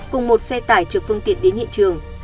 cùng một xe tải chở phương tiện đến hiện trường